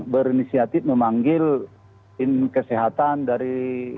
berinisiatif memanggil tim kesehatan dari